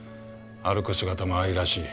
歩く姿も愛らしい。